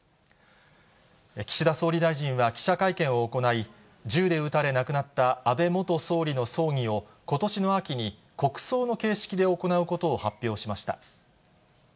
岸田総理大臣は、記者会見を行い、銃で撃たれ亡くなった安倍元総理の葬儀を、ことしの秋に国葬の形式で行うことを発表しました。